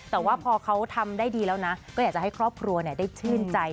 แต่ว่าพอเขาทำได้ดีแล้วนะก็อยากจะให้ครอบครัวได้ชื่นใจ